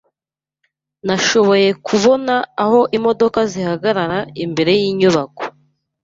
Nashoboye kubona aho imodoka zihagarara imbere yinyubako.